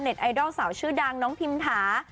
ไอดอลสาวชื่อดังน้องพิมถา